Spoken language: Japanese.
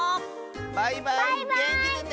バイバイげんきでね！